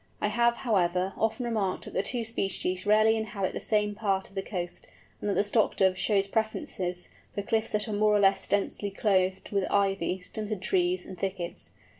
I have, however, often remarked that the two species rarely inhabit the same parts of the coast, and that the Stock Dove shows preference for cliffs that are more or less densely clothed with ivy, stunted trees, and thickets.